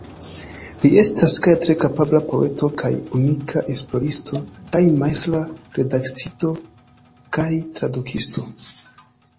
Li estas kaj tre kapabla poeto kaj unika esploristo, kaj majstra redaktisto kaj tradukisto.